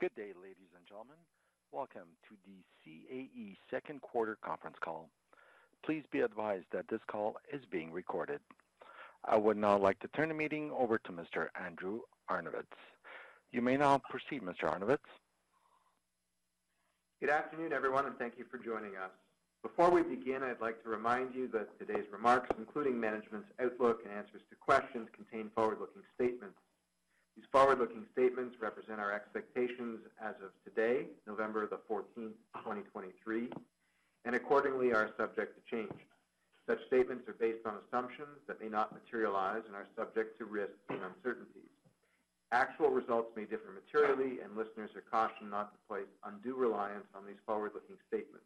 Good day, ladies and gentlemen. Welcome to the CAE second quarter conference call. Please be advised that this call is being recorded. I would now like to turn the meeting over to Mr. Andrew Arnovitz. You may now proceed, Mr. Arnovitz. Good afternoon, everyone, and thank you for joining us. Before we begin, I'd like to remind you that today's remarks, including management's outlook and answers to questions, contain forward-looking statements. These forward-looking statements represent our expectations as of today, November 14, 2023, and accordingly, are subject to change. Such statements are based on assumptions that may not materialize and are subject to risks and uncertainties. Actual results may differ materially, and listeners are cautioned not to place undue reliance on these forward-looking statements.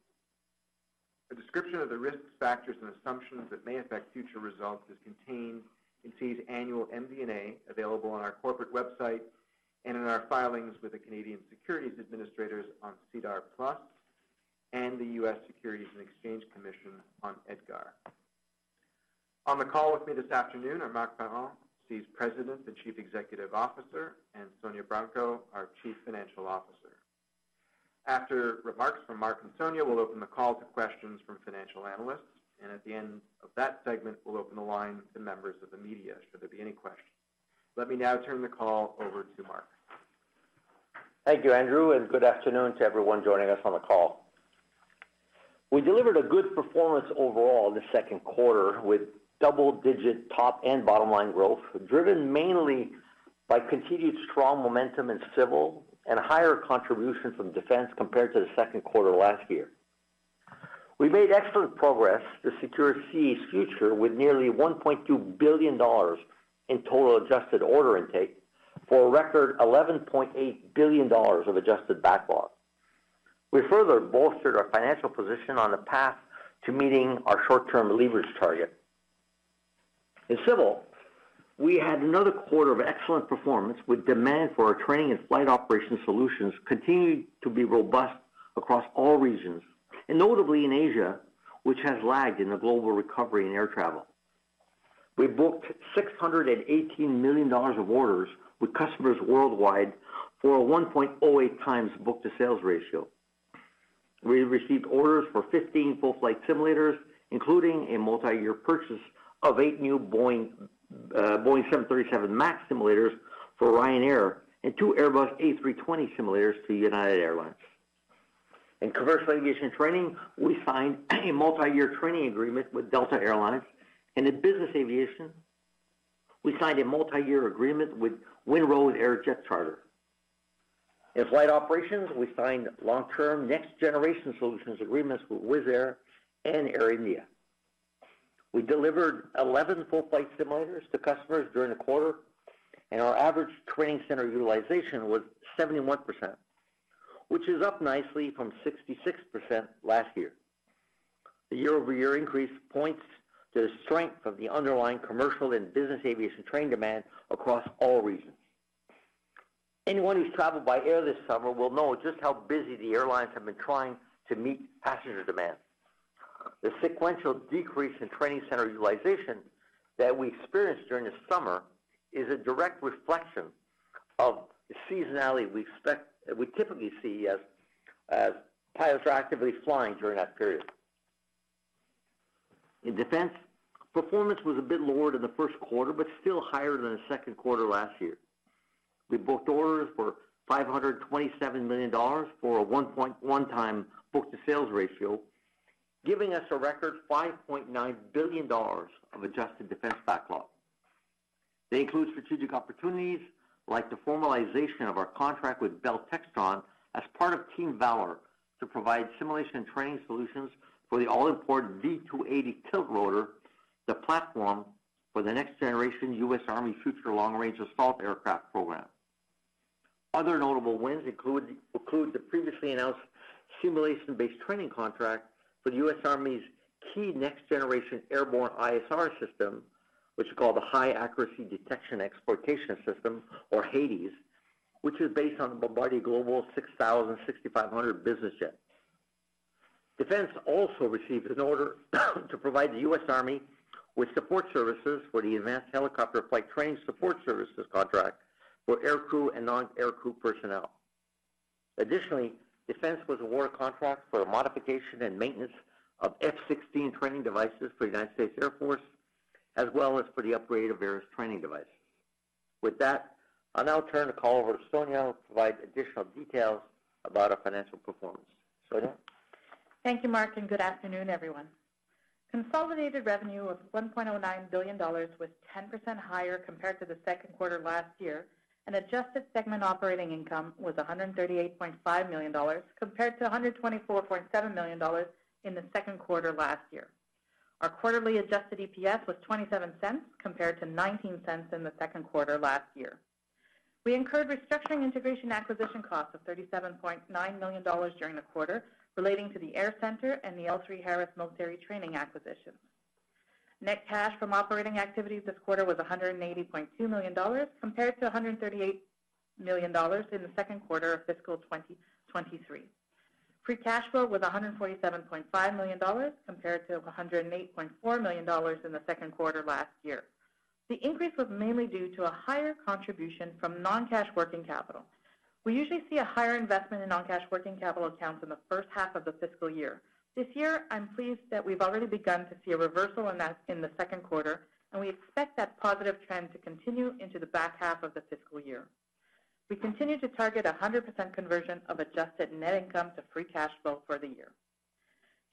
A description of the risks, factors, and assumptions that may affect future results is contained in CAE's annual MD&A, available on our corporate website and in our filings with the Canadian Securities Administrators on SEDAR+ and the U.S. Securities and Exchange Commission on EDGAR. On the call with me this afternoon are Marc Parent, CAE's President and Chief Executive Officer, and Sonya Branco, our Chief Financial Officer. After remarks from Marc and Sonya, we'll open the call to questions from financial analysts, and at the end of that segment, we'll open the line to members of the media, should there be any questions. Let me now turn the call over to Marc. Thank you, Andrew, and good afternoon to everyone joining us on the call. We delivered a good performance overall in the second quarter, with double-digit top and bottom-line growth, driven mainly by continued strong momentum in civil and higher contribution from defense compared to the second quarter last year. We made excellent progress to secure CAE's future with nearly 1.2 billion dollars in total adjusted order intake for a record 11.8 billion dollars of adjusted backlog. We further bolstered our financial position on the path to meeting our short-term leverage target. In civil, we had another quarter of excellent performance, with demand for our training and flight operations solutions continuing to be robust across all regions, and notably in Asia, which has lagged in the global recovery in air travel. We booked 618 million dollars of orders with customers worldwide for a 1.08x book-to-sales ratio. We received orders for 15 full-flight simulators, including a multiyear purchase of eight new Boeing 737 MAX simulators for Ryanair and two Airbus A320 simulators to United Airlines. In commercial aviation training, we signed a multiyear training agreement with Delta Air Lines, and in business aviation, we signed a multiyear agreement with Windrose Air Jetcharter. In flight operations, we signed long-term next-generation solutions agreements with Wizz Air and Air India. We delivered 11 full-flight simulators to customers during the quarter, and our average training center utilization was 71%, which is up nicely from 66% last year. The year-over-year increase points to the strength of the underlying commercial and business aviation training demand across all regions. Anyone who's traveled by air this summer will know just how busy the airlines have been trying to meet passenger demand. The sequential decrease in training center utilization that we experienced during the summer is a direct reflection of the seasonality we expect. We typically see, as pilots are actively flying during that period. In defense, performance was a bit lower than the first quarter, but still higher than the second quarter last year. We booked orders for $527 million for a 1.1x book-to-sales ratio, giving us a record $5.9 billion of adjusted defense backlog. They include strategic opportunities like the formalization of our contract with Bell Textron as part of Team Valor to provide simulation and training solutions for the all-important V-280 Tiltrotor, the platform for the next generation U.S. Army Future Long-Range Assault Aircraft program. Other notable wins include the previously announced simulation-based training contract for the U.S. Army's key next-generation airborne ISR system, which is called the High-Accuracy Detection Exploitation System, or HADES, which is based on the Bombardier Global 6500 business jets. Defense also received an order to provide the U.S. Army with support services for the Advanced Helicopter Flight Training Support Services contract for aircrew and non-aircrew personnel. Additionally, Defense was awarded a contract for the modification and maintenance of F-16 training devices for the United States Air Force, as well as for the upgrade of various training devices. With that, I'll now turn the call over to Sonya to provide additional details about our financial performance. Sonya? Thank you, Marc, and good afternoon, everyone. Consolidated revenue of 1.09 billion dollars was 10% higher compared to the second quarter last year, and adjusted segment operating income was 138.5 million dollars, compared to 124.7 million dollars in the second quarter last year. Our quarterly adjusted EPS was 0.27, compared to 0.19 in the second quarter last year. We incurred restructuring, integration, acquisition costs of 37.9 million dollars during the quarter, relating to the AirCentre and the L3Harris military training acquisition. Net cash from operating activities this quarter was 180.2 million dollars, compared to 138 million dollars in the second quarter of fiscal 2023.... Free cash flow was 147.5 million dollars, compared to 108.4 million dollars in the second quarter last year. The increase was mainly due to a higher contribution from non-cash working capital. We usually see a higher investment in non-cash working capital accounts in the first half of the fiscal year. This year, I'm pleased that we've already begun to see a reversal in that in the second quarter, and we expect that positive trend to continue into the back half of the fiscal year. We continue to target 100% conversion of adjusted net income to free cash flow for the year.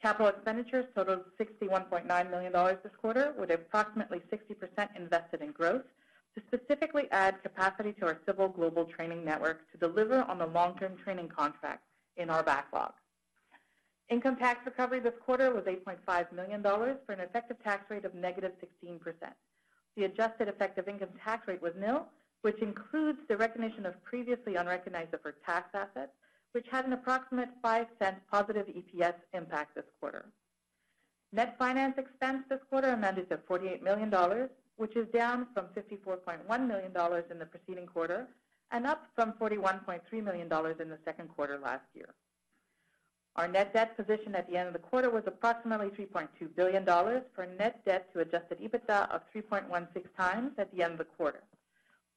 Capital expenditures totaled 61.9 million dollars this quarter, with approximately 60% invested in growth to specifically add capacity to our civil global training network to deliver on the long-term training contracts in our backlog. Income tax recovery this quarter was 8.5 million dollars, for an effective tax rate of -16%. The adjusted effective income tax rate was nil, which includes the recognition of previously unrecognized deferred tax assets, which had an approximate 0.05 positive EPS impact this quarter. Net finance expense this quarter amounted to 48 million dollars, which is down from 54.1 million dollars in the preceding quarter, and up from 41.3 million dollars in the second quarter last year. Our net debt position at the end of the quarter was approximately 3.2 billion dollars for net debt to adjusted EBITDA of 3.16x at the end of the quarter.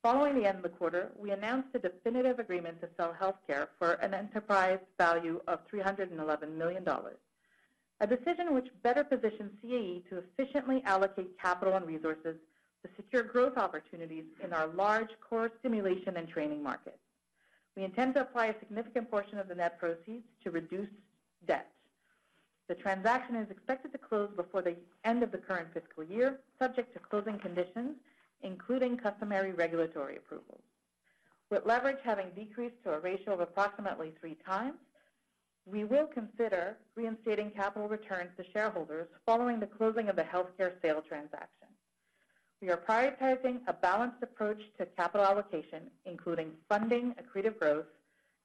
Following the end of the quarter, we announced a definitive agreement to sell healthcare for an enterprise value of $311 million. A decision which better positions CAE to efficiently allocate capital and resources to secure growth opportunities in our large core simulation and training market. We intend to apply a significant portion of the net proceeds to reduce debt. The transaction is expected to close before the end of the current fiscal year, subject to closing conditions, including customary regulatory approval. With leverage having decreased to a ratio of approximately 3x, we will consider reinstating capital returns to shareholders following the closing of the healthcare sale transaction. We are prioritizing a balanced approach to capital allocation, including funding accretive growth,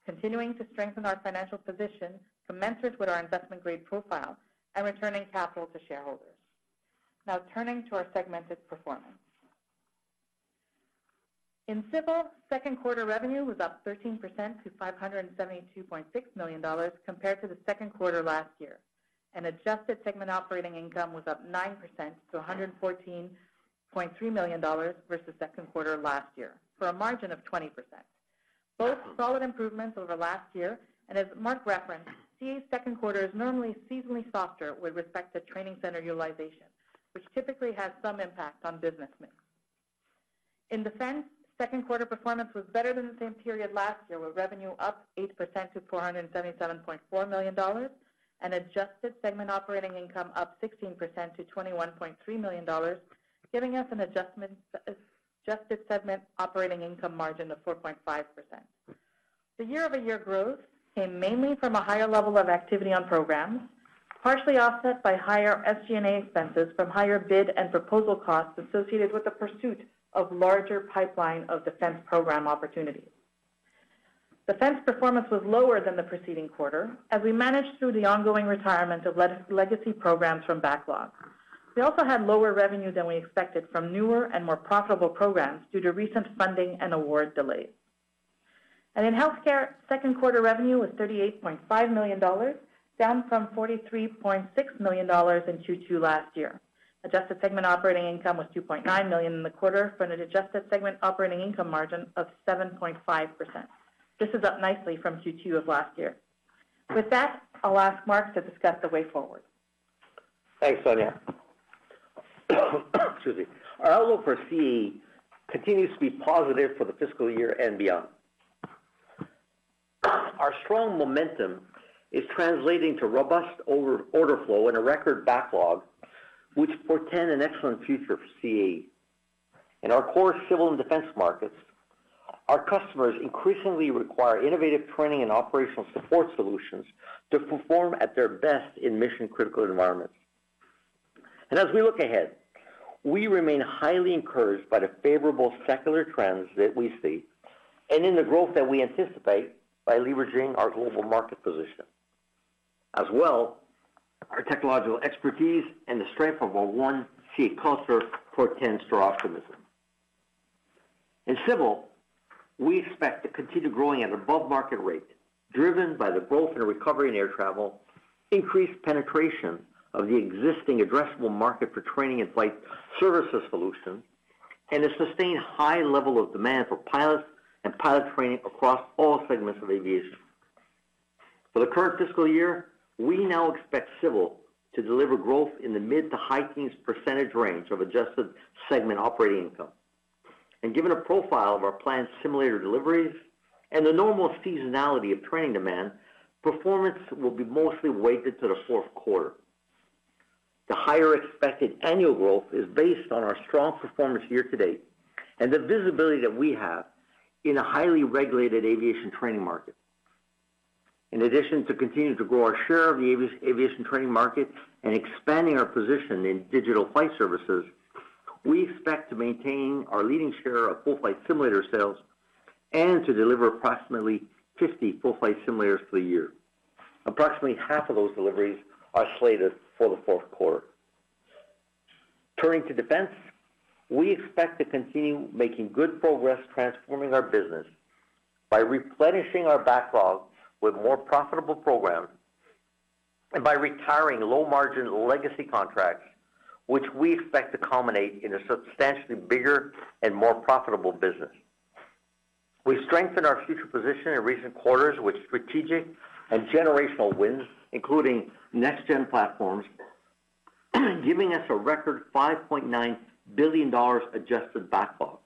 continuing to strengthen our financial position, commensurate with our investment grade profile, and returning capital to shareholders. Now turning to our segmented performance. In Civil, second quarter revenue was up 13% to 572.6 million dollars compared to the second quarter last year, and adjusted segment operating income was up 9% to 114.3 million dollars versus second quarter last year, for a margin of 20%. Both solid improvements over last year, and as Mark referenced, CAE's second quarter is normally seasonally softer with respect to training center utilization, which typically has some impact on business mix. In Defense, second quarter performance was better than the same period last year, with revenue up 8% to 477.4 million dollars, and adjusted segment operating income up 16% to 21.3 million dollars, giving us an adjusted segment operating income margin of 4.5%. The year-over-year growth came mainly from a higher level of activity on programs, partially offset by higher SG&A expenses from higher bid and proposal costs associated with the pursuit of larger pipeline of defense program opportunities. Defense performance was lower than the preceding quarter as we managed through the ongoing retirement of legacy programs from backlog. We also had lower revenue than we expected from newer and more profitable programs due to recent funding and award delays. And in healthcare, second quarter revenue was 38.5 million dollars, down from 43.6 million dollars in Q2 last year. Adjusted segment operating income was 2.9 million in the quarter for an adjusted segment operating income margin of 7.5%. This is up nicely from Q2 of last year. With that, I'll ask Mark to discuss the way forward. Thanks, Sonya. Excuse me. Our outlook for CAE continues to be positive for the fiscal year and beyond. Our strong momentum is translating to robust order flow and a record backlog, which portend an excellent future for CAE. In our core civil and defense markets, our customers increasingly require innovative training and operational support solutions to perform at their best in mission-critical environments. And as we look ahead, we remain highly encouraged by the favorable secular trends that we see and in the growth that we anticipate by leveraging our global market position. As well, our technological expertise and the strength of our One CAE culture portends to our optimism. In civil, we expect to continue growing at above market rate, driven by the growth in a recovery in air travel, increased penetration of the existing addressable market for training and flight services solutions, and a sustained high level of demand for pilots and pilot training across all segments of aviation. For the current fiscal year, we now expect civil to deliver growth in the mid- to high-teens percent range of Adjusted Segment Operating Income. Given the profile of our planned simulator deliveries and the normal seasonality of training demand, performance will be mostly weighted to the fourth quarter. The higher expected annual growth is based on our strong performance year-to-date and the visibility that we have in a highly regulated aviation training market. In addition to continuing to grow our share of the aviation training market and expanding our position in digital flight services, we expect to maintain our leading share of full flight simulator sales and to deliver approximately 50 full flight simulators for the year. Approximately half of those deliveries are slated for the fourth quarter. Turning to defense, we expect to continue making good progress transforming our business by replenishing our backlog with more profitable programs and by retiring low-margin legacy contracts, which we expect to culminate in a substantially bigger and more profitable business. We strengthened our future position in recent quarters with strategic and generational wins, including next-gen platforms, giving us a record 5.9 billion dollars adjusted backlog.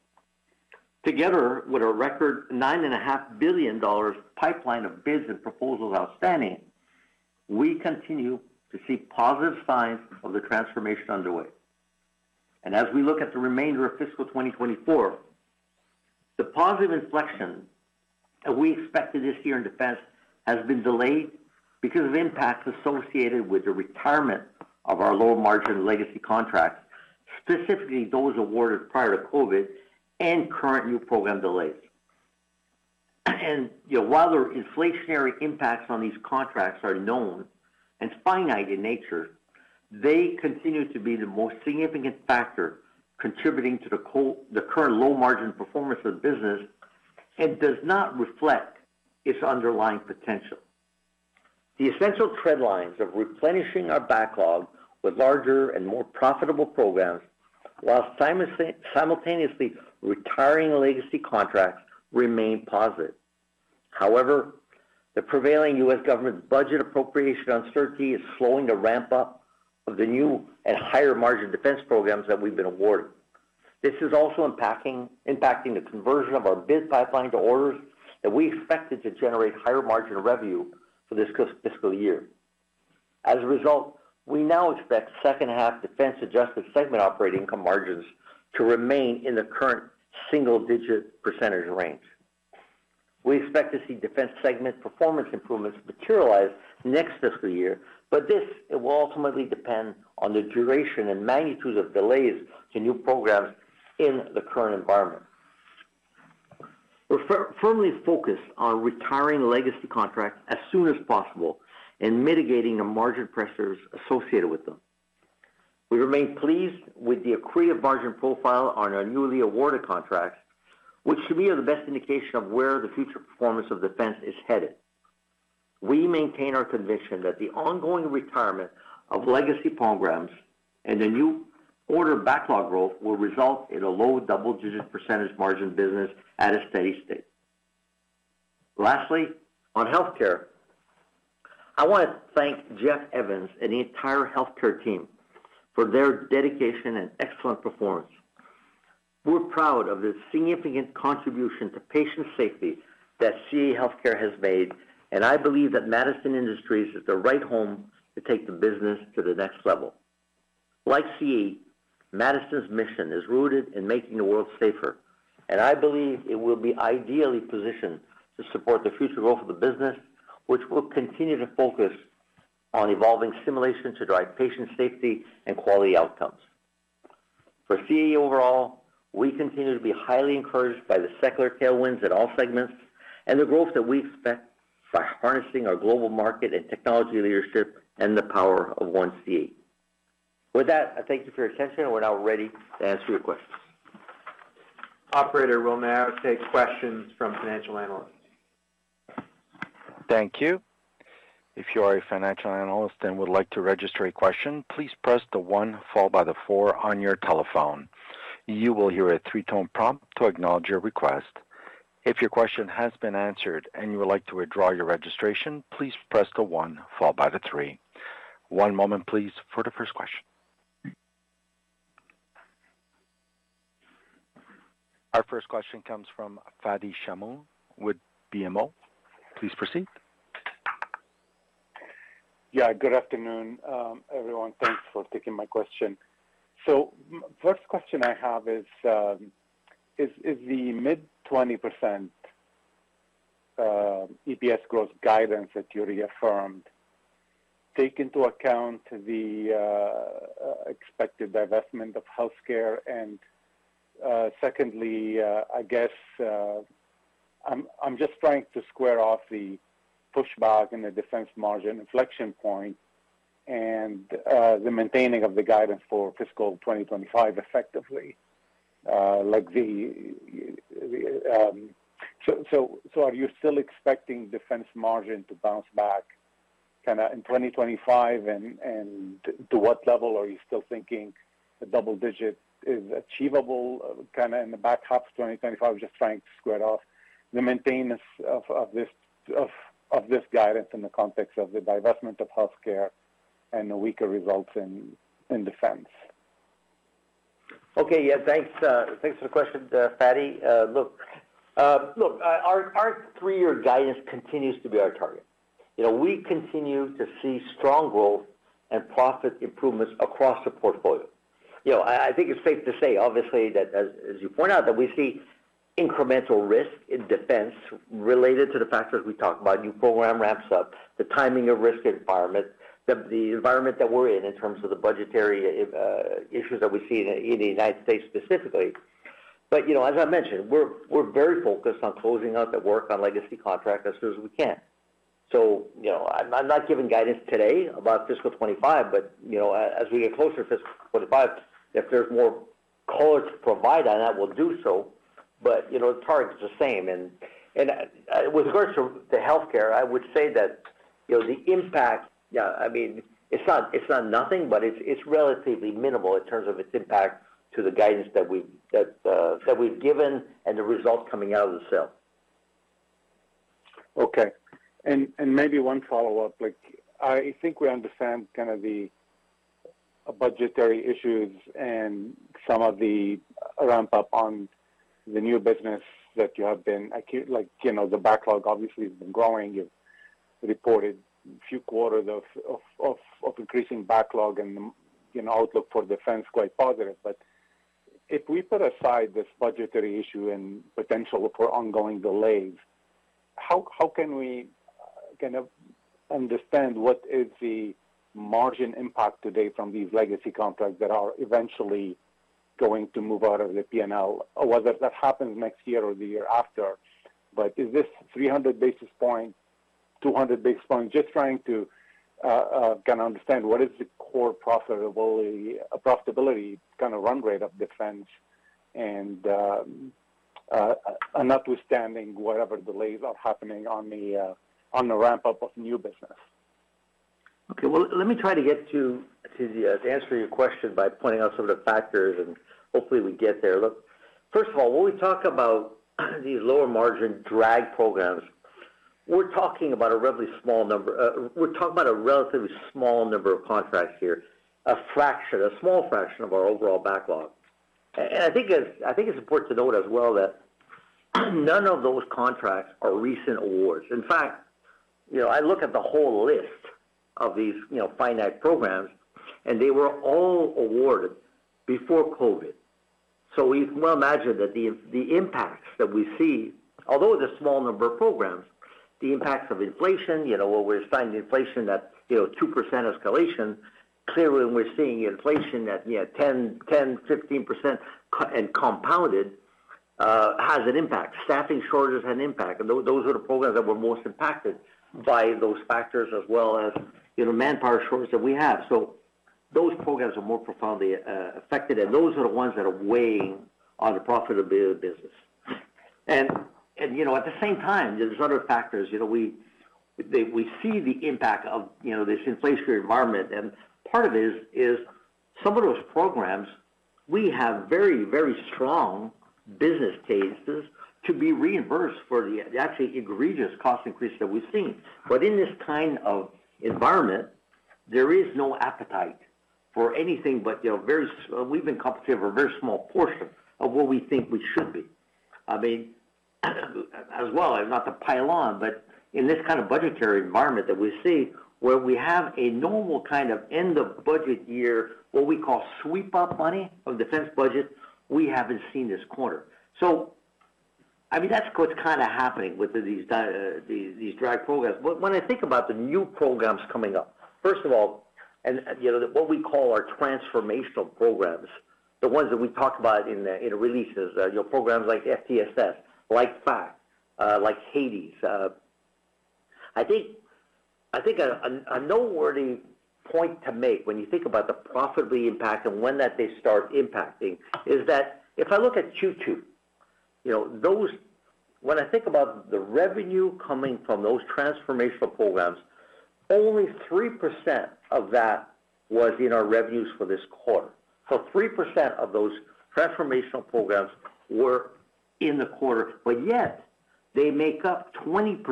Together, with a record 9.5 billion dollars pipeline of bids and proposals outstanding, we continue to see positive signs of the transformation underway. As we look at the remainder of fiscal 2024, the positive inflection that we expected this year in defense has been delayed because of impacts associated with the retirement of our low-margin legacy contracts, specifically those awarded prior to COVID and current new program delays. And, you know, while the inflationary impacts on these contracts are known and finite in nature, they continue to be the most significant factor contributing to the current low-margin performance of the business and does not reflect its underlying potential. The essential thread lines of replenishing our backlog with larger and more profitable programs, while simultaneously retiring legacy contracts, remain positive. However, the prevailing U.S. government's budget appropriation uncertainty is slowing the ramp-up of the new and higher-margin defense programs that we've been awarded. This is also impacting the conversion of our bid pipeline to orders that we expected to generate higher margin revenue for this fiscal year. As a result, we now expect second half defense Adjusted Segment Operating Income margins to remain in the current single-digit percentage range. We expect to see defense segment performance improvements materialize next fiscal year, but this will ultimately depend on the duration and magnitude of delays to new programs in the current environment. We're firmly focused on retiring legacy contracts as soon as possible and mitigating the margin pressures associated with them. We remain pleased with the accretive margin profile on our newly awarded contracts, which, to me, are the best indication of where the future performance of defense is headed. We maintain our conviction that the ongoing retirement of legacy programs and the new order backlog growth will result in a low double-digit percent margin business at a steady state. Lastly, on healthcare, I want to thank Jeff Evans and the entire healthcare team for their dedication and excellent performance. We're proud of the significant contribution to patient safety that CAE Healthcare has made, and I believe that Madison Industries is the right home to take the business to the next level. Like CAE, Madison's mission is rooted in making the world safer, and I believe it will be ideally positioned to support the future role of the business, which will continue to focus on evolving simulation to drive patient safety and quality outcomes. For CAE overall, we continue to be highly encouraged by the secular tailwinds at all segments and the growth that we expect by harnessing our global market and technology leadership and the power of One CAE. With that, I thank you for your attention, and we're now ready to answer your questions. Operator, we'll now take questions from financial analysts. Thank you. If you are a financial analyst and would like to register a question, please press the one followed by the four on your telephone. You will hear a three-tone prompt to acknowledge your request. If your question has been answered and you would like to withdraw your registration, please press the one followed by the three. One moment, please, for the first question. Our first question comes from Fadi Chamoun with BMO. Please proceed. Yeah, good afternoon, everyone. Thanks for taking my question. So first question I have is, is the mid 20% EPS growth guidance that you reaffirmed take into account the expected divestment of healthcare? And secondly, I guess, I'm just trying to square off the pushback and the defense margin inflection point and the maintaining of the guidance for fiscal 2025 effectively. Like, the... So are you still expecting defense margin to bounce back kinda in 2025? And to what level are you still thinking a double digit is achievable, kinda in the back half of 2025? Just trying to square off the maintenance of this guidance in the context of the divestment of healthcare and the weaker results in defense. Okay. Yeah, thanks, thanks for the question, Fadi. Look, look, our, our three-year guidance continues to be our target. You know, we continue to see strong growth and profit improvements across the portfolio. You know, I, I think it's safe to say, obviously, that as, as you point out, that we see incremental risk in defense related to the factors we talked about, new program ramps up, the timing of risk environment, the, the environment that we're in, in terms of the budgetary, issues that we see in the, in the United States, specifically. But, you know, as I mentioned, we're, we're very focused on closing out the work on legacy contracts as soon as we can. So, you know, I'm not giving guidance today about fiscal 2025, but, you know, as we get closer to fiscal 2025, if there's more color to provide on that, we'll do so. But, you know, the target is the same. And with regards to healthcare, I would say that, you know, the impact, yeah, I mean, it's not nothing, but it's relatively minimal in terms of its impact to the guidance that we've given and the results coming out of the sale. Okay. And maybe one follow-up. Like, I think we understand kind of the budgetary issues and some of the ramp-up on the new business that you have been accumulating. Like, you know, the backlog obviously has been growing. You've reported a few quarters of increasing backlog, and, you know, outlook for defense, quite positive. But if we put aside this budgetary issue and potential for ongoing delays, how can we kind of understand what is the margin impact today from these legacy contracts that are eventually going to move out of the PNL, whether that happens next year or the year after? But is this 300 basis points, 200 basis points? Just trying to kind of understand what is the core profitability, profitability kind of run rate of defense, and notwithstanding whatever delays are happening on the ramp-up of new business? Okay, well, let me try to get to the answer your question by pointing out some of the factors, and hopefully we get there. Look, first of all, when we talk about these lower margin drag programs, we're talking about a relatively small number. We're talking about a relatively small number of contracts here, a fraction, a small fraction of our overall backlog. And I think it's important to note as well, that none of those contracts are recent awards. In fact, you know, I look at the whole list of these, you know, finite programs, and they were all awarded before COVID. So we can well imagine that the impacts that we see, although it's a small number of programs, the impacts of inflation, you know, where we're assigning inflation at 2% escalation. Clearly, we're seeing inflation at 10%, 10%, 15%, and compounded has an impact. Staffing shortages had an impact, and those were the programs that were most impacted by those factors, as well as, you know, manpower shortage that we have. So those programs are more profoundly affected, and those are the ones that are weighing on the profitability of the business. And you know, at the same time, there's other factors. You know, we see the impact of, you know, this inflationary environment, and part of this is some of those programs, we have very, very strong business cases to be reimbursed for the actually egregious cost increases that we've seen. But in this kind of environment, there is no appetite for anything, but, you know, very small—we've been compensated for a very small portion of what we think we should be. I mean, as well, and not to pile on, but in this kind of budgetary environment that we see, where we have a normal kind of end of budget year, what we call sweep up money of defense budget, we haven't seen this quarter. So, I mean, that's what's kinda happening with these drag programs. But when I think about the new programs coming up, first of all, and, you know, what we call our transformational programs, the ones that we talked about in the releases, programs like FTSS, like FAcT, like HADES. I think a noteworthy point to make when you think about the profitability impact and when that they start impacting, is that if I look at Q2, you know, when I think about the revenue coming from those transformational programs, only 3% of that was in our revenues for this quarter. So 3% of those transformational programs were in the quarter, but yet they make up 20%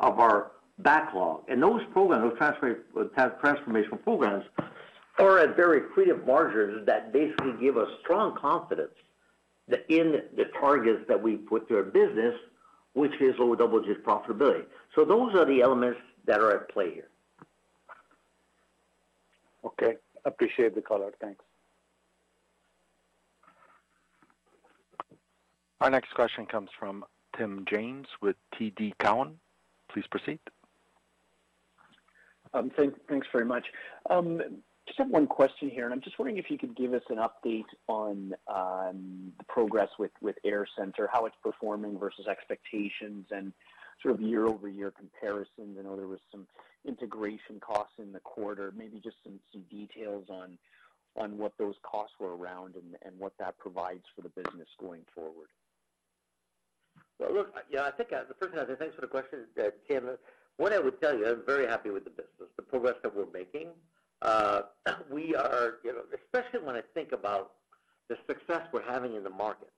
of our backlog. And those programs, those transformational programs, are at very creative margins that basically give us strong confidence that in the targets that we put to our business, which is low double-digit profitability. So those are the elements that are at play here. Okay, appreciate the call out. Thanks. Our next question comes from Tim James with TD Cowen. Please proceed. Thanks very much. Just have one question here, and I'm just wondering if you could give us an update on the progress with AirCentre, how it's performing versus expectations and sort of year-over-year comparisons. I know there was some integration costs in the quarter. Maybe just some details on what those costs were around and what that provides for the business going forward. Well, look, yeah, I think, first I say thanks for the question, Tim. What I would tell you, I'm very happy with the business, the progress that we're making. We are, you know, especially when I think about the success we're having in the market.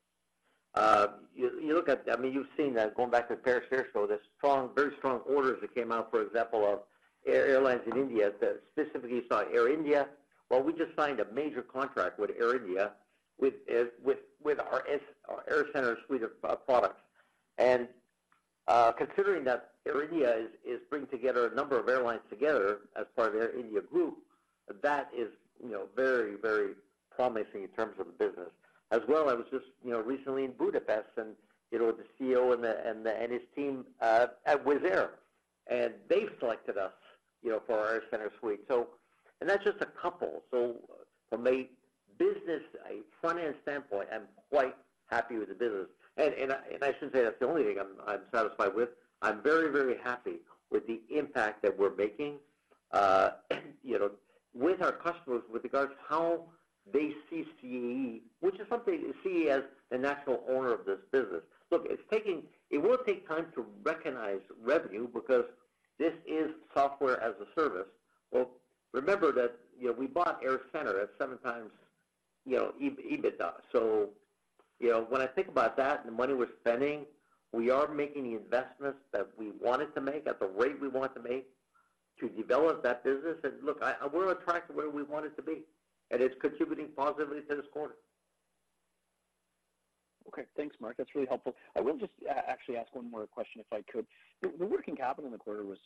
You, you look at-- I mean, you've seen that going back to the Paris Air Show, the strong, very strong orders that came out, for example, of airlines in India, that specifically you saw Air India. Well, we just signed a major contract with Air India, with, with, with our AirCentre suite of, products. And, considering that Air India is, is bringing together a number of airlines together as part of Air India Group, that is, you know, very, very promising in terms of the business. As well, I was just, you know, recently in Budapest and, you know, with the CEO and his team at Wizz Air, and they've selected us, you know, for our AirCentre suite. So... And that's just a couple. So from a business, a financial standpoint, I'm quite happy with the business. And I shouldn't say that's the only thing I'm satisfied with. I'm very, very happy with the impact that we're making, you know, with our customers with regards to how they see CAE, which is something you see as the natural owner of this business. Look, it will take time to recognize revenue because this is software as a service. Well, remember that, you know, we bought AirCentre at 7x EBITDA. So, you know, when I think about that and the money we're spending, we are making the investments that we wanted to make at the rate we want to make to develop that business. And look, we're attracted where we want it to be, and it's contributing positively to this quarter. Okay. Thanks, Marc. That's really helpful. I will just, actually ask one more question, if I could. The working capital in the quarter was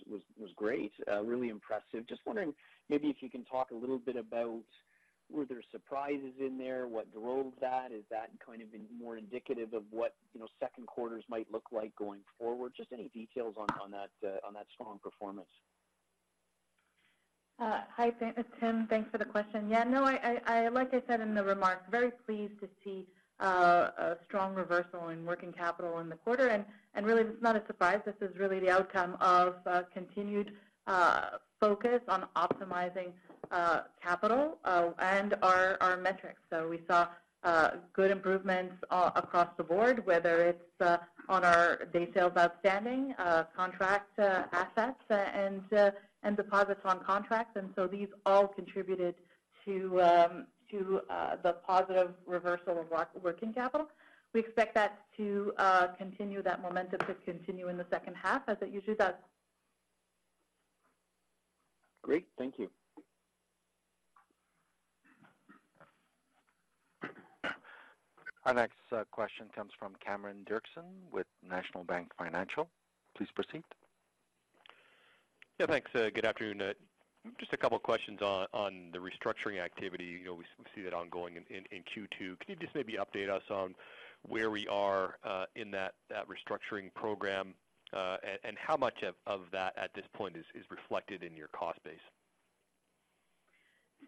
great, really impressive. Just wondering, maybe if you can talk a little bit about were there surprises in there? What drove that? Is that kind of more indicative of what, you know, second quarters might look like going forward? Just any details on that strong performance. Hi, Tim. Thanks for the question. Yeah, no, like I said in the remarks, very pleased to see a strong reversal in working capital in the quarter. Really, this is not a surprise. This is really the outcome of continued focus on optimizing capital and our metrics. We saw good improvements across the board, whether it's on our days sales outstanding, contract assets, and deposits on contracts. So these all contributed to the positive reversal of working capital. We expect that momentum to continue in the second half, as it usually does. Great. Thank you. Our next question comes from Cameron Doerksen with National Bank Financial. Please proceed. Yeah, thanks. Good afternoon. Just a couple of questions on the restructuring activity. You know, we see that ongoing in Q2. Can you just maybe update us on where we are in that restructuring program? And how much of that at this point is reflected in your cost base?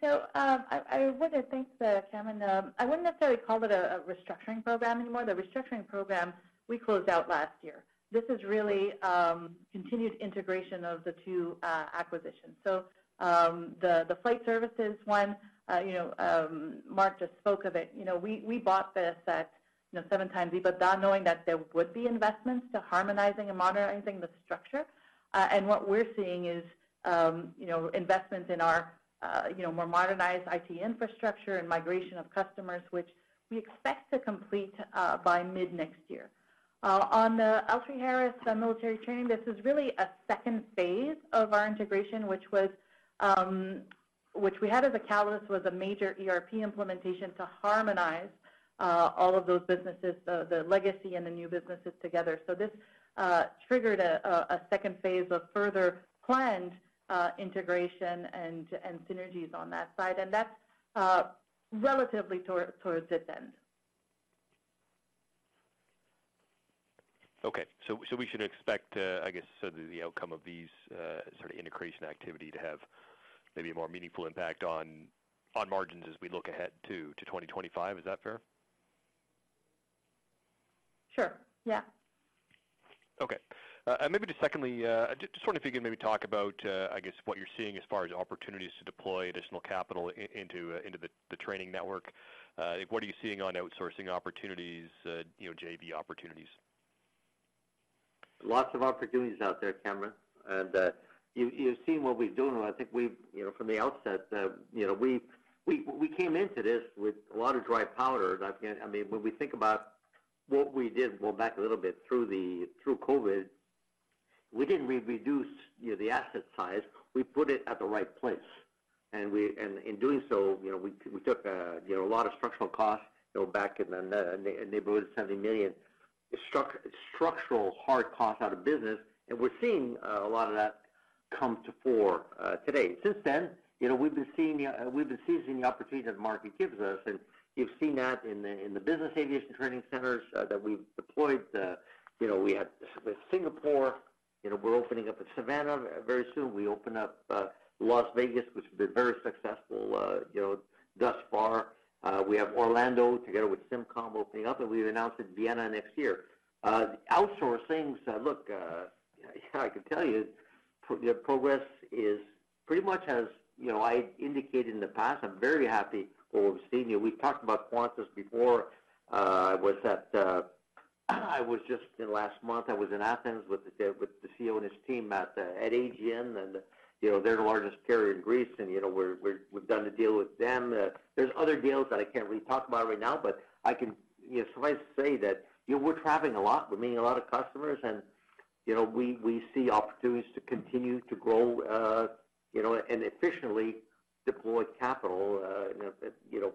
So, I wouldn't think, Cameron, I wouldn't necessarily call it a restructuring program anymore. The restructuring program, we closed out last year. This is really, continued integration of the two, acquisitions. So, the flight services one, you know, Mark just spoke of it. You know, we bought this at, you know, 7x EBITDA, knowing that there would be investments to harmonizing and modernizing the structure. And what we're seeing is, you know, investments in our, you know, more modernized IT infrastructure and migration of customers, which we expect to complete, by mid-next year. On the L3Harris, the military training, this is really a second phase of our integration, which was, which we had as a catalyst, was a major ERP implementation to harmonize all of those businesses, the legacy and the new businesses together. So this triggered a second phase of further planned integration and synergies on that side, and that's relatively towards its end. Okay. So we should expect, I guess, so the outcome of these sort of integration activity to have maybe a more meaningful impact on margins as we look ahead to 2025. Is that fair? Sure. Yeah. Okay, and maybe just secondly, just wondering if you can maybe talk about, I guess, what you're seeing as far as opportunities to deploy additional capital into the training network. What are you seeing on outsourcing opportunities, you know, JV opportunities? Lots of opportunities out there, Cameron, and you, you've seen what we're doing. I think we've, you know, from the outset, you know, we came into this with a lot of dry powder. I mean, when we think about what we did, well, back a little bit through COVID, we didn't reduce, you know, the asset size. We put it at the right place, and in doing so, you know, we took, you know, a lot of structural costs, you know, back in the neighborhood of 70 million, structural, hard costs out of business, and we're seeing a lot of that come to fore today. Since then, you know, we've been seeing, we've been seizing the opportunity that the market gives us, and you've seen that in the business aviation training centers that we've deployed. You know, we have Singapore, you know, we're opening up in Savannah very soon. We opened up Las Vegas, which has been very successful, you know, thus far. We have Orlando, together with SimCom, opening up, and we've announced in Vienna next year. Outsourcing, look, I can tell you the progress is pretty much as you know, I indicated in the past. I'm very happy with what we've seen here. We've talked about Qantas before. I was just in last month. I was in Athens with the CEO and his team at Aegean, and, you know, they're the largest carrier in Greece, and, you know, we've done a deal with them. There's other deals that I can't really talk about right now, but I can suffice to say that, you know, we're traveling a lot. We're meeting a lot of customers, and, you know, we see opportunities to continue to grow, and efficiently deploy capital,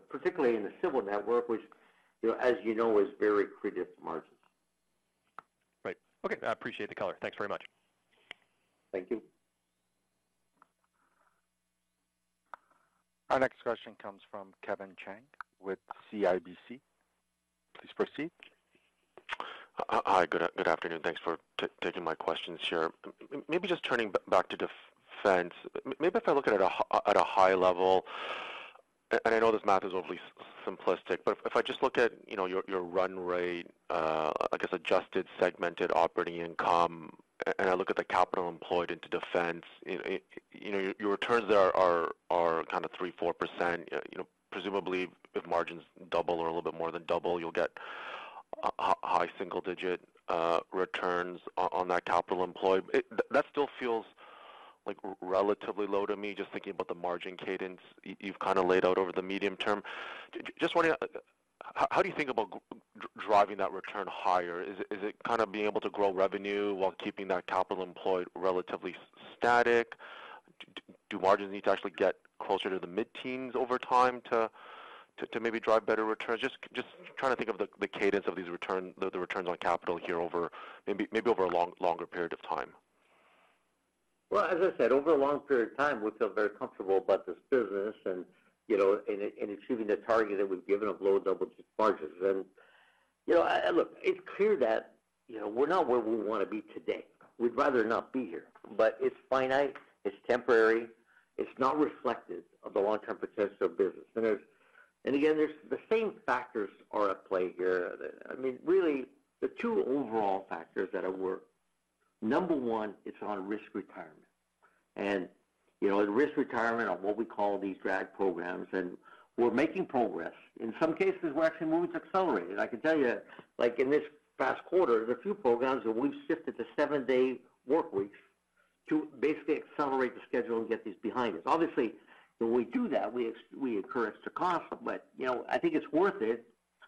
particularly in the civil network, which, you know, as you know, is very accretive margins. Right. Okay, I appreciate the color. Thanks very much. Thank you. Our next question comes from Kevin Chiang with CIBC. Please proceed.... Hi, good afternoon. Thanks for taking my questions here. Maybe just turning back to defense, maybe if I look at it at a high level, and I know this math is overly simplistic, but if I just look at, you know, your run rate, I guess, adjusted segment operating income, and I look at the capital employed into defense, you know, your returns there are kind of 3%-4%. You know, presumably, if margins double or a little bit more than double, you'll get high single-digit returns on that capital employed. That still feels like relatively low to me, just thinking about the margin cadence you've kind of laid out over the medium term. Just wondering, how do you think about driving that return higher? Is it kind of being able to grow revenue while keeping that capital employed relatively static? Do margins need to actually get closer to the mid-teens over time to maybe drive better returns? Just trying to think of the cadence of these returns on capital here over maybe over a longer period of time. Well, as I said, over a long period of time, we feel very comfortable about this business and, you know, and achieving the target that we've given of low double-digit margins. And, you know, look, it's clear that, you know, we're not where we want to be today. We'd rather not be here, but it's finite, it's temporary, it's not reflective of the long-term potential of business. And there's. And again, there's the same factors are at play here. I mean, really, the two overall factors that are at work, number one, it's on risk retirement. And, you know, risk retirement on what we call these drag programs, and we're making progress. In some cases, we're actually moving to accelerate it. I can tell you, like in this past quarter, there are a few programs that we've shifted to seven-day workweeks to basically accelerate the schedule and get these behind us. Obviously, when we do that, we incur the cost, but, you know, I think it's worth it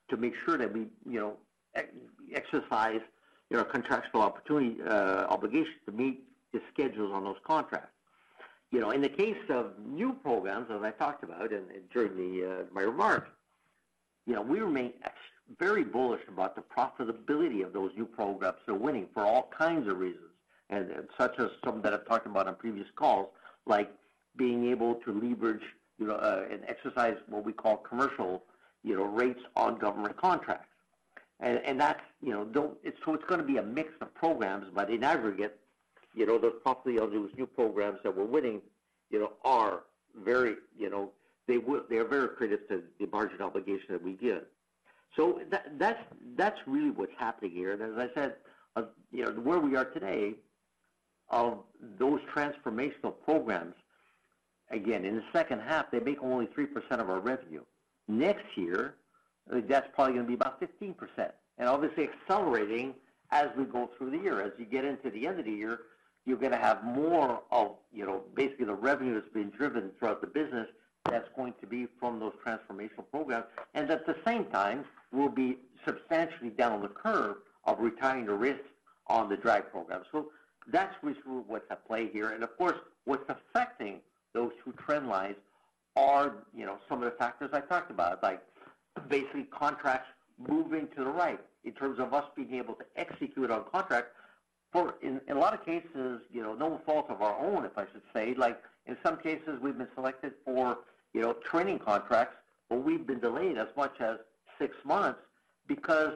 to make sure that we, you know, exercise contractual opportunity, obligation to meet the schedules on those contracts. You know, in the case of new programs, as I talked about during my remarks, you know, we remain very bullish about the profitability of those new programs we're winning for all kinds of reasons, such as some that I've talked about on previous calls, like being able to leverage, you know, and exercise what we call commercial rates on government contracts. That's, you know, don't— So it's going to be a mix of programs, but in aggregate, you know, the profitability of those new programs that we're winning, you know, are very, you know, they are very accretive to the margin obligation that we give. So that's really what's happening here. And as I said, you know, where we are today of those transformational programs, again, in the second half, they make only 3% of our revenue. Next year, that's probably going to be about 15%, and obviously accelerating as we go through the year. As you get into the end of the year, you're going to have more of, you know, basically the revenue that's being driven throughout the business, that's going to be from those transformational programs. At the same time, we'll be substantially down on the curve of retiring the risk on the drive program. That's really what's at play here. Of course, what's affecting those two trend lines are, you know, some of the factors I talked about, like basically contracts moving to the right in terms of us being able to execute on contracts. For instance, in a lot of cases, you know, no fault of our own, if I should say, like, in some cases we've been selected for, you know, training contracts, but we've been delayed as much as six months because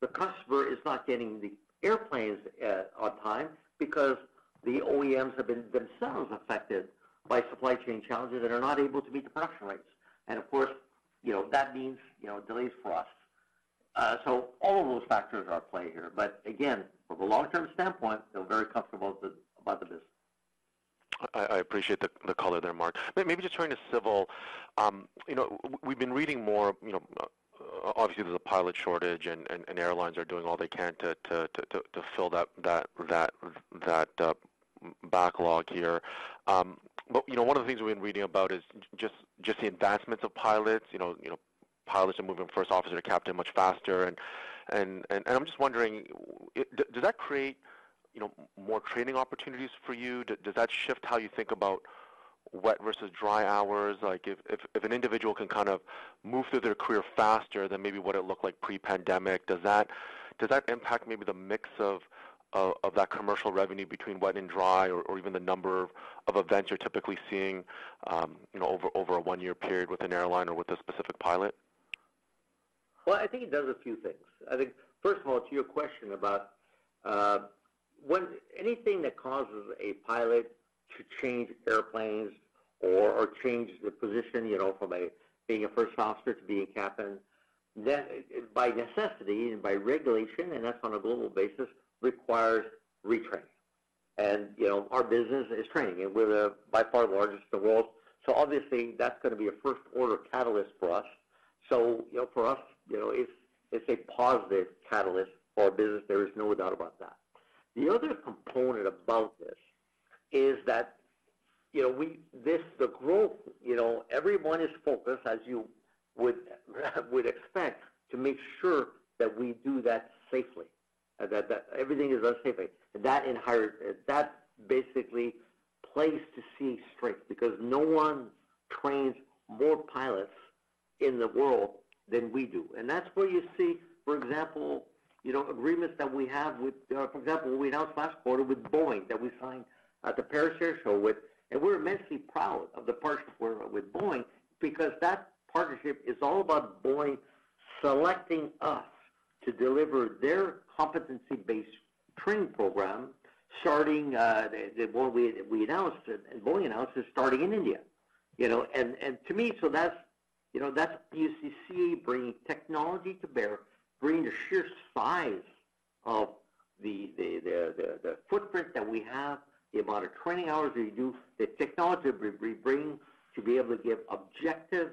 the customer is not getting the airplanes on time because the OEMs have been themselves affected by supply chain challenges and are not able to meet the production rates. Of course, you know, that means, you know, delays for us. So all of those factors are at play here. But again, from a long-term standpoint, feel very comfortable about the business. I appreciate the color there, Mark. Maybe just turning to civil. You know, we've been reading more, you know, obviously, there's a pilot shortage and airlines are doing all they can to fill that backlog here. But, you know, one of the things we've been reading about is just the advancements of pilots. You know, pilots are moving first officer to captain much faster, and I'm just wondering, does that create, you know, more training opportunities for you? Does that shift how you think about wet versus dry hours? Like, if an individual can kind of move through their career faster than maybe what it looked like pre-pandemic, does that impact maybe the mix of that commercial revenue between wet and dry, or even the number of events you're typically seeing, you know, over a one-year period with an airline or with a specific pilot? Well, I think it does a few things. I think, first of all, to your question about, when anything that causes a pilot to change airplanes or, or change the position, you know, from a being a first officer to being a captain, then by necessity and by regulation, and that's on a global basis, requires retraining. And, you know, our business is training, and we're the by far largest in the world. So obviously, that's going to be a first order catalyst for us. So, you know, for us, you know, it's, it's a positive catalyst for our business. There is no doubt about that. The other component about this is that, you know, we this, the growth, you know, everyone is focused, as you would, would expect, to make sure that we do that safely, and that, that everything is done safely. That basically places to see strength, because no one trains more pilots in the world than we do. And that's where you see, for example, you know, agreements that we have with, for example, we announced last quarter with Boeing, that we signed at the Paris Air Show with. And we're immensely proud of the partnership with Boeing, because that partnership is all about Boeing selecting us to deliver their competency-based training program, starting the one we announced and Boeing announced is starting in India. You know, and to me, so that's, you know, that's you see CAE bringing technology to bear, bringing the sheer size of the footprint that we have, the amount of training hours that you do, the technology that we bring to be able to give objective,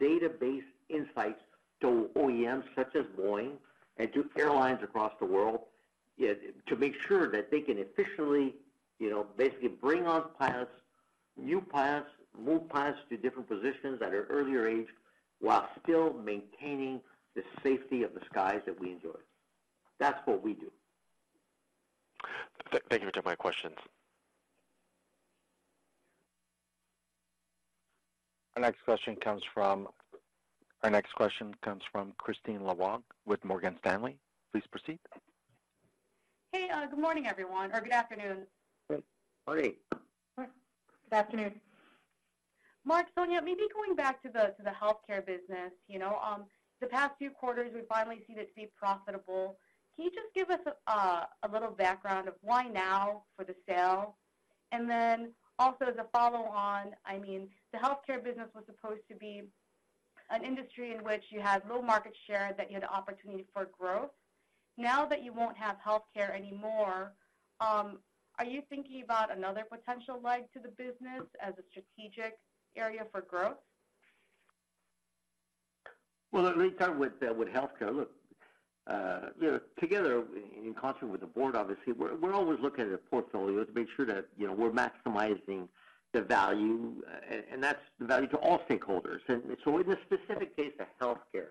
database insights to OEMs such as Boeing and to airlines across the world, to make sure that they can efficiently, you know, basically bring on pilots, new pilots, move pilots to different positions at an earlier age, while still maintaining the safety of the skies that we enjoy. That's what we do. Thank you for taking my questions. Our next question comes from Kristine Liwag with Morgan Stanley. Please proceed. Hey, good morning, everyone, or good afternoon. Good morning. Good afternoon. Marc, Sonya, maybe going back to the healthcare business, you know, the past few quarters, we've finally seen it be profitable. Can you just give us a little background of why now for the sale? And then also as a follow-on, I mean, the healthcare business was supposed to be an industry in which you had low market share, that you had the opportunity for growth. Now, that you won't have healthcare anymore, are you thinking about another potential leg to the business as a strategic area for growth? Well, let me start with healthcare. Look, you know, together, in concert with the board obviously, we're always looking at a portfolio to make sure that, you know, we're maximizing the value, and that's the value to all stakeholders. So in the specific case of healthcare,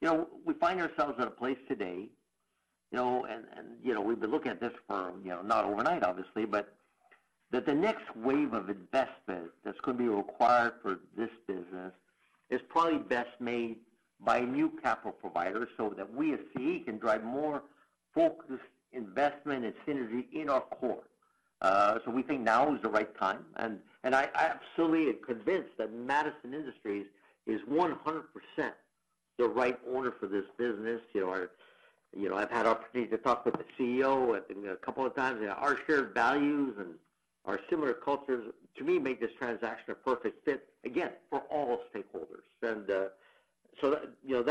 you know, we find ourselves at a place today, you know, and, you know, we've been looking at this for, you know, not overnight, obviously, but that the next wave of investment that's going to be required for this business is probably best made by a new capital provider, so that we as CAE can drive more focused investment and synergy in our core. So we think now is the right time, and I absolutely am convinced that Madison Industries is 100% the right owner for this business. You know, you know, I've had opportunity to talk with the CEO a couple of times, and our shared values and our similar cultures, to me, make this transaction a perfect fit, again, for all stakeholders. And, so that, you know,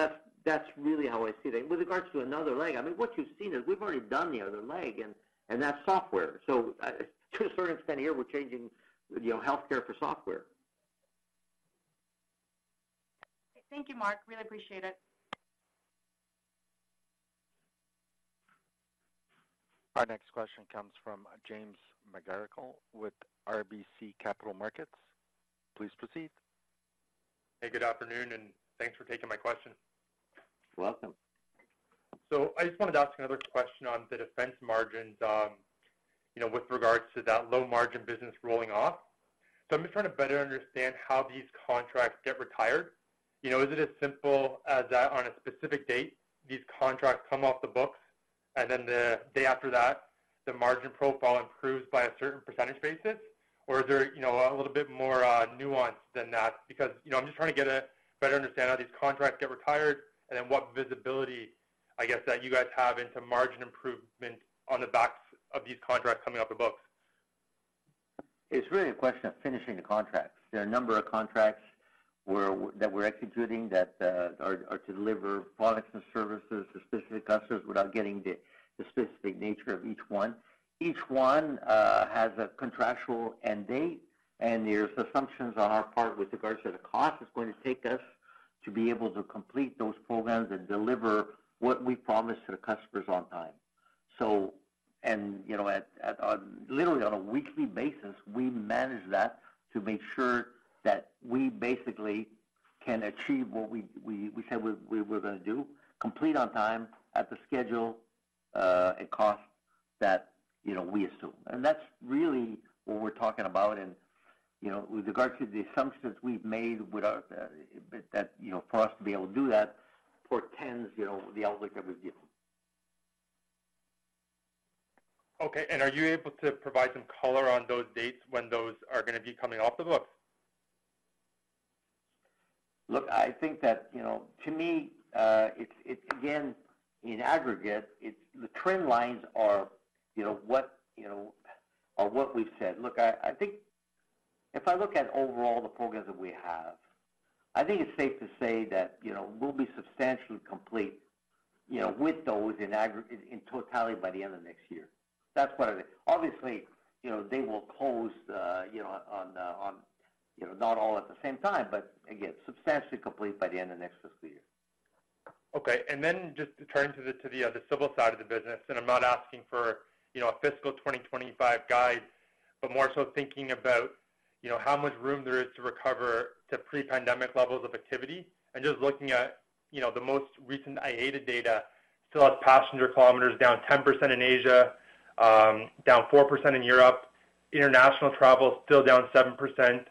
that's really how I see that. With regards to another leg, I mean, what you've seen is we've already done the other leg, and that's software. So, to a certain extent here, we're changing, you know, healthcare for software. Thank you, Mark. Really appreciate it. Our next question comes from James McGarragle with RBC Capital Markets. Please proceed. Hey, good afternoon, and thanks for taking my question. You're welcome. So I just wanted to ask another question on the defense margins, you know, with regards to that low margin business rolling off. So I'm just trying to better understand how these contracts get retired. You know, is it as simple as that on a specific date, these contracts come off the books, and then the day after that, the margin profile improves by a certain percentage basis? Or is there, you know, a little bit more nuance than that? Because, you know, I'm just trying to get a better understanding how these contracts get retired, and then what visibility, I guess, that you guys have into margin improvement on the backs of these contracts coming off the books. It's really a question of finishing the contracts. There are a number of contracts that we're executing that are to deliver products and services to specific customers, without getting into the specific nature of each one. Each one has a contractual end date, and there's assumptions on our part with regards to the cost it's going to take us to be able to complete those programs and deliver what we promised to the customers on time. So, you know, on literally a weekly basis, we manage that to make sure that we basically can achieve what we said we were going to do, complete on time, at the schedule, at cost that, you know, we assume. And that's really what we're talking about. You know, with regards to the assumptions we've made with our, that, you know, for us to be able to do that, portends, you know, the outlook of the deal. Okay, and are you able to provide some color on those dates when those are going to be coming off the books? Look, I think that, you know, to me, it's again, in aggregate, it's the trend lines are what we've said. Look, I think if I look at overall the programs that we have, I think it's safe to say that, you know, we'll be substantially complete, you know, with those in totality by the end of next year. That's what I think. Obviously, you know, they will close, you know, on, on, you know, not all at the same time, but again, substantially complete by the end of next fiscal year. Okay. And then just to turn to the civil side of the business, and I'm not asking for, you know, a fiscal 2025 guide, but more so thinking about, you know, how much room there is to recover to pre-pandemic levels of activity. And just looking at, you know, the most recent IATA data, still has passenger kilometers down 10% in Asia, down 4% in Europe, international travel still down 7%,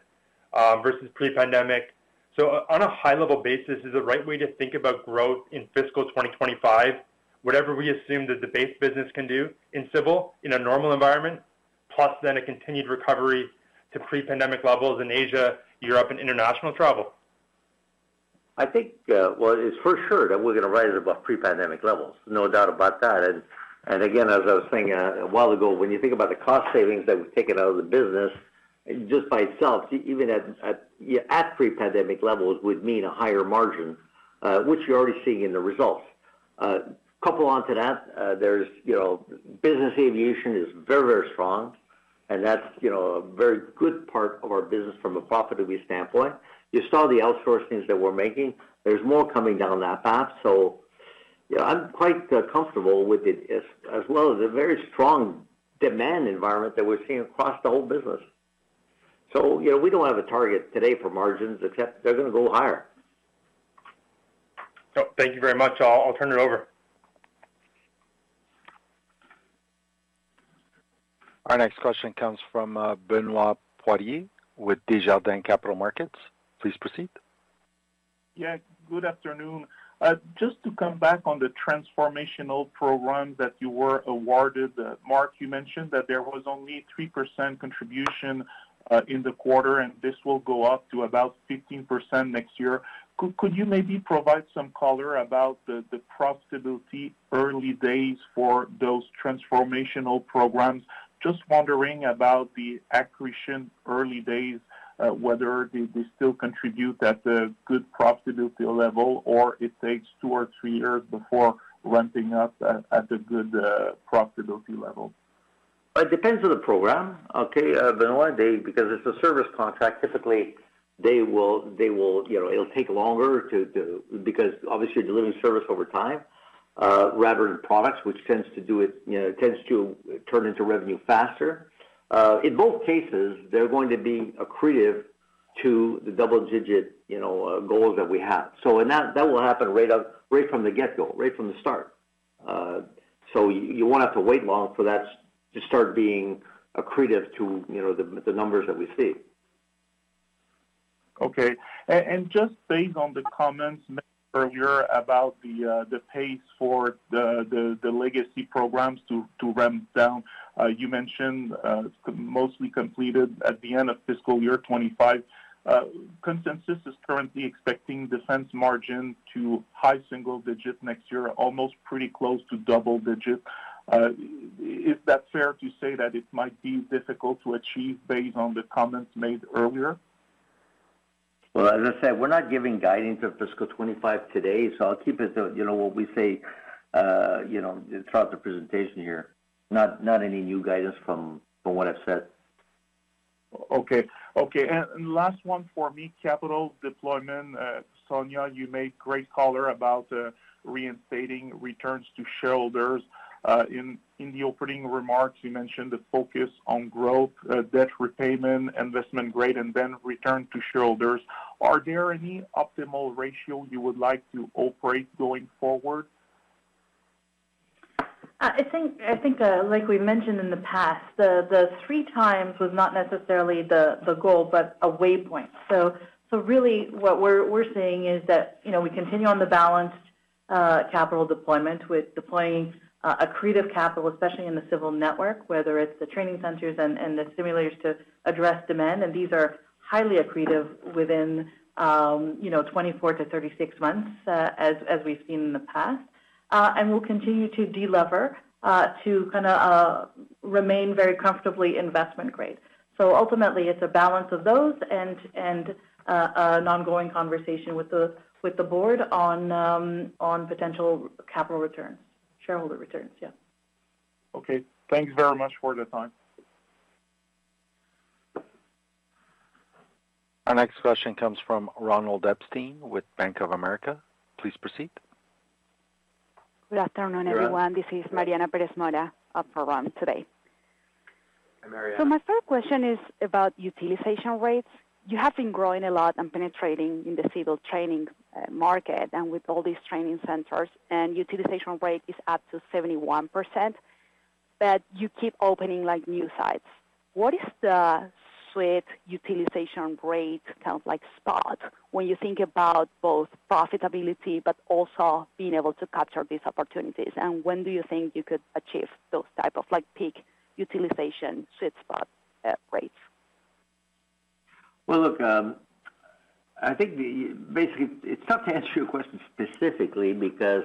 versus pre-pandemic. So on a high level basis, is the right way to think about growth in fiscal 2025, whatever we assume that the base business can do in civil, in a normal environment?... plus then a continued recovery to pre-pandemic levels in Asia, Europe, and international travel? I think, well, it's for sure that we're going to rise above pre-pandemic levels, no doubt about that. And again, as I was saying, a while ago, when you think about the cost savings that we've taken out of the business, just by itself, even at, yeah, at pre-pandemic levels, would mean a higher margin, which you're already seeing in the results. Couple onto that, there's, you know, business aviation is very, very strong, and that's, you know, a very good part of our business from a profitability standpoint. You saw the outsourcing that we're making. There's more coming down that path, so yeah, I'm quite, comfortable with it, as well as a very strong demand environment that we're seeing across the whole business. So, you know, we don't have a target today for margins, except they're going to go higher. Thank you very much. I'll, I'll turn it over. Our next question comes from, Benoit Poirier, with Desjardins Capital Markets. Please proceed. Yeah, good afternoon. Just to come back on the transformational program that you were awarded, Mark, you mentioned that there was only 3% contribution in the quarter, and this will go up to about 15% next year. Could you maybe provide some color about the profitability early days for those transformational programs? Just wondering about the accretion early days, whether they still contribute at a good profitability level, or it takes two or three years before ramping up at a good profitability level? Well, it depends on the program. Okay, Benoit, they, because it's a service contract, typically, they will. You know, it'll take longer to... Because obviously delivering service over time, rather than products, which tends to do it, you know, tends to turn into revenue faster. In both cases, they're going to be accretive to the double digit, you know, goals that we have. So and that, that will happen right up, right from the get-go, right from the start. So you won't have to wait long for that to start being accretive to, you know, the numbers that we see. Okay. And just based on the comments made earlier about the pace for the legacy programs to ramp down, you mentioned mostly completed at the end of fiscal year 2025. Consensus is currently expecting defense margin to high single digit next year, almost pretty close to double digit. Is that fair to say that it might be difficult to achieve based on the comments made earlier? Well, as I said, we're not giving guidance of fiscal 2025 today, so I'll keep it to, you know, what we say, you know, throughout the presentation here, not any new guidance from what I've said. Okay. Okay, and last one for me, capital deployment. Sonya, you made great color about reinstating returns to shareholders. In the opening remarks, you mentioned the focus on growth, debt repayment, investment grade, and then return to shareholders. Are there any optimal ratio you would like to operate going forward? I think, like we mentioned in the past, the 3x was not necessarily the goal, but a way point. So really what we're saying is that, you know, we continue on the balanced capital deployment with deploying accretive capital, especially in the civil network, whether it's the training centers and the simulators to address demand, and these are highly accretive within, you know, 24 months-36 months, as we've seen in the past. And we'll continue to delever to kind of remain very comfortably investment grade. So ultimately, it's a balance of those and an ongoing conversation with the board on potential capital returns. Shareholder returns, yeah. Okay. Thank you very much for the time. Our next question comes from Ronald Epstein with Bank of America. Please proceed. Good afternoon, everyone. Hi. This is Mariana Pérez Mora of Bank of America today. Hi, Mariana. So my first question is about utilization rates. You have been growing a lot and penetrating in the civil training market, and with all these training centers, and utilization rate is up to 71%, but you keep opening, like, new sites. What is the sweet utilization rate, kind of like, spot when you think about both profitability, but also being able to capture these opportunities? And when do you think you could achieve those type of, like, peak utilization sweet spot rates? Well, look, I think basically, it's tough to answer your question specifically, because,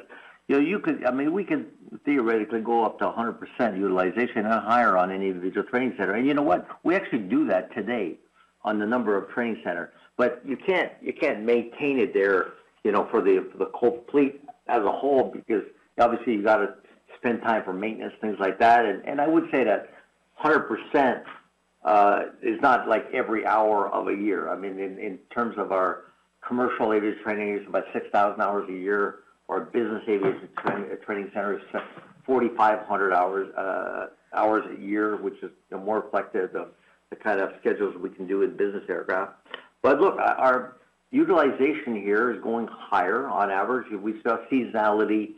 you know, you could, I mean, we could theoretically go up to 100% utilization or higher on any individual training center. And you know what? We actually do that today on the number of training centers, but you can't, you can't maintain it there, you know, for the, the complete as a whole, because obviously you've got to spend time for maintenance, things like that. And I would say that 100% is not like every hour of a year. I mean, in terms of our commercial aviation training, it's about 6,000 hours a year. Our business aviation training center is 4,500 hours a year, which is more reflective of the kind of schedules we can do with business aircraft. But look, our utilization here is going higher on average. We saw seasonality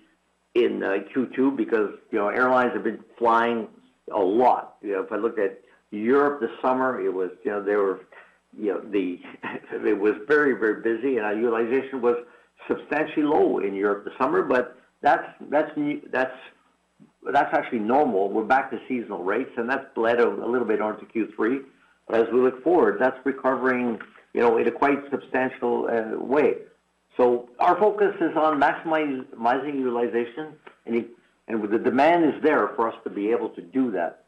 in Q2 because, you know, airlines have been flying a lot. You know, if I looked at Europe this summer, it was, you know, there were, you know, the, it was very, very busy, and our utilization was substantially low in Europe this summer, but that's, that's the, that's, that's actually normal. We're back to seasonal rates, and that bled out a little bit onto Q3. But as we look forward, that's recovering, you know, in a quite substantial way. So our focus is on maximizing, maximizing utilization, and it, and the demand is there for us to be able to do that.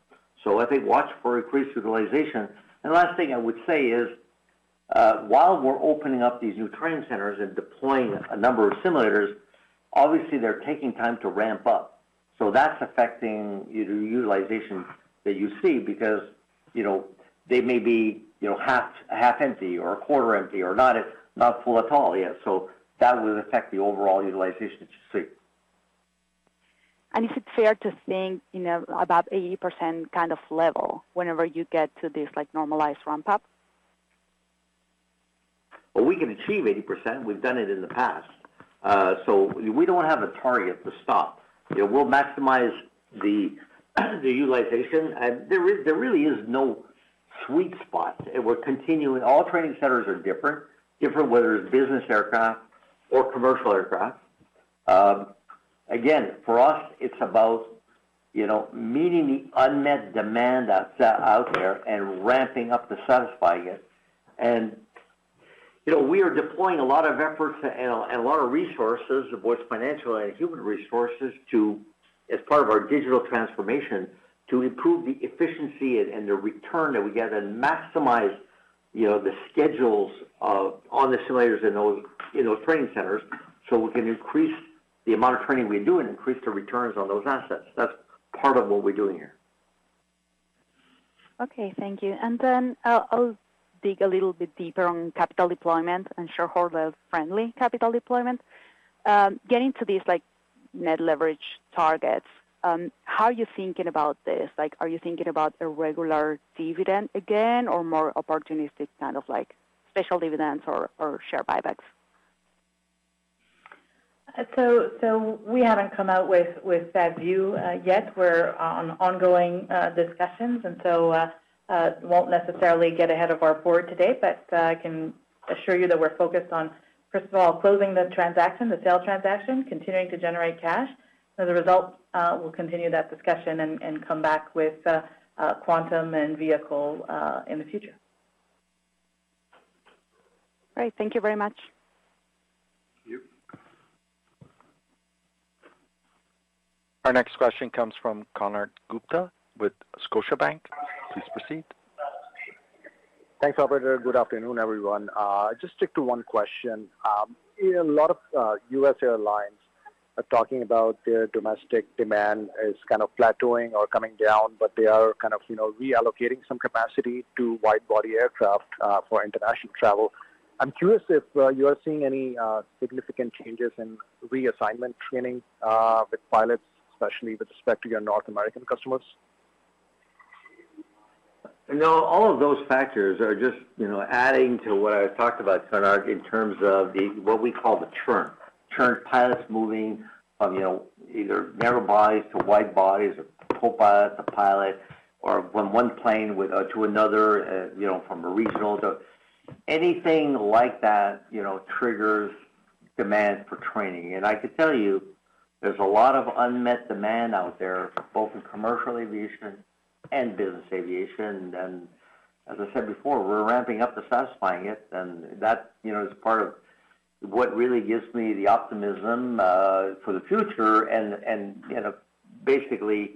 So I think watch for increased utilization. The last thing I would say is, while we're opening up these new training centers and deploying a number of simulators, obviously they're taking time to ramp up. That's affecting the utilization that you see, because, you know, they may be, you know, half, half empty or a quarter empty or not at, not full at all yet. That would affect the overall utilization that you see. Is it fair to think, you know, about 80% kind of level whenever you get to this, like, normalized ramp-up? Well, we can achieve 80%. We've done it in the past. So we don't have a target to stop. We'll maximize the utilization. And there really is no sweet spot. We're continuing. All training centers are different, whether it's business aircraft or commercial aircraft. Again, for us, it's about, you know, meeting the unmet demand that's out there and ramping up to satisfy it. And, you know, we are deploying a lot of efforts and a lot of resources, both financially and human resources, to, as part of our digital transformation, to improve the efficiency and the return that we get and maximize, you know, the schedules of all the simulators in those training centers, so we can increase the amount of training we do and increase the returns on those assets. That's part of what we're doing here. Okay, thank you. And then I'll dig a little bit deeper on capital deployment and shareholder-friendly capital deployment. Getting to these, like, net leverage targets, how are you thinking about this? Like, are you thinking about a regular dividend again or more opportunistic, kind of like, special dividends or share buybacks? So we haven't come out with that view yet. We're in ongoing discussions, and so won't necessarily get ahead of our board today, but I can assure you that we're focused on, first of all, closing the transaction, the sale transaction, continuing to generate cash. As a result, we'll continue that discussion and come back with a quantum and vehicle in the future. Great. Thank you very much. Thank you. Our next question comes from Konark Gupta with Scotiabank. Please proceed. Thanks, operator. Good afternoon, everyone. Just stick to one question. A lot of U.S. airlines are talking about their domestic demand is kind of plateauing or coming down, but they are kind of, you know, reallocating some capacity to wide-body aircraft for international travel. I'm curious if you are seeing any significant changes in reassignment training with pilots, especially with respect to your North American customers? You know, all of those factors are just, you know, adding to what I talked about, Konark, in terms of the, what we call the churn. Churn, pilots moving from, you know, either narrow bodies to wide bodies, or copilot to pilot, or from one plane to another, you know, from a regional to anything like that, you know, triggers demand for training. And I can tell you, there's a lot of unmet demand out there, both in commercial aviation and business aviation. And as I said before, we're ramping up to satisfying it, and that, you know, is part of what really gives me the optimism for the future and, you know, basically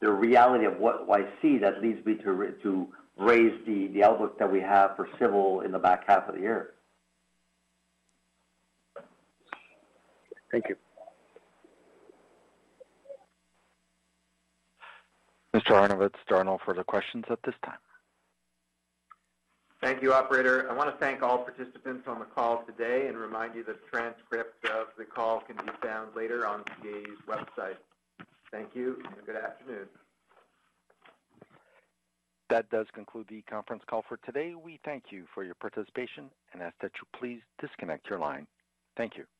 the reality of what I see that leads me to raise the outlook that we have for civil in the back half of the year. Thank you. Mr. Arnovitz, there are no further questions at this time. Thank you, operator. I want to thank all participants on the call today and remind you that transcripts of the call can be found later on CAE's website. Thank you, and good afternoon. That does conclude the conference call for today. We thank you for your participation and ask that you please disconnect your line. Thank you.